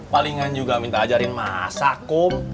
palingan juga minta ajarin masak kum